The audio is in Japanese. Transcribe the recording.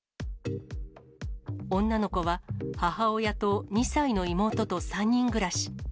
女の子は、母親と２歳の妹と３人暮らし。